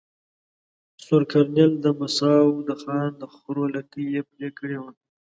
سور کرنېل د مساو د خان د خرو لکې ېې پرې کړي وه.